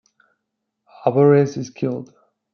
Alvarez is killed.